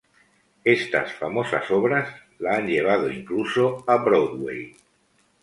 Estas famosas obras la han llevado incluso a Broadway.